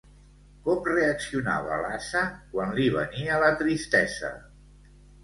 Com reaccionava l'ase quan li venia la tristesa?